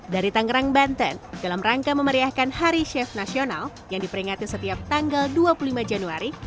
dari tangerang banten dalam rangka memeriahkan hari chef nasional yang diperingati setiap tanggal dua puluh lima januari